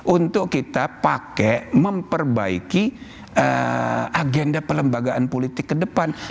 untuk kita pakai memperbaiki agenda pelembagaan politik ke depan